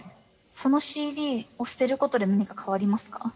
そのＣＤを捨てることで何か変わりますか？